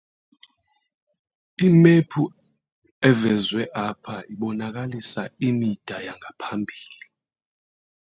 The map shown here indicates prior boundaries.